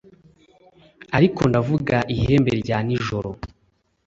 ariko ndavuga ihembe rya nijoro